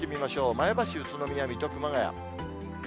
前橋、宇都宮、水戸、熊谷。